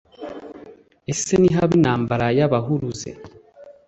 ese nihaba intambara y’ abahuruze.